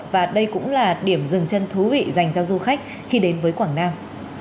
và đây cũng là điểm dừng chân thú vị dành cho du khách khi đến với quảng nam